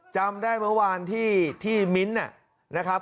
จำได้เมื่อวานที่มิ้นท์นะครับ